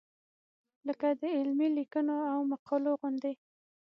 لکه د علمي لیکنو او مقالو غوندې.